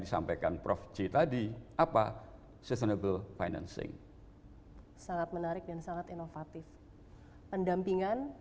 disampaikan prof c tadi apa sustainable financing sangat menarik dan sangat inovatif pendampingan